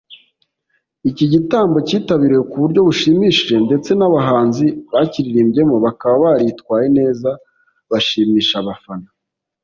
Iki gitaramo cyitabiriwe ku buryo bushimishije ndetse n’abahanzi bakiririmbyemo bakaba baritwaye neza bashimisha abafana